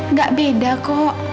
nggak beda kok